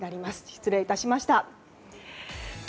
失礼致しました。